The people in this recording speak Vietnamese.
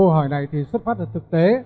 câu hỏi này thì xuất phát từ thực tế